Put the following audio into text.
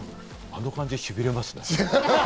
あの感じしびれますね。